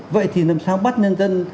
vậy thì làm sao bắt nhân dân